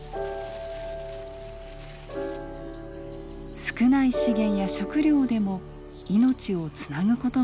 少ない資源や食料でも命をつなぐ事ができたのです。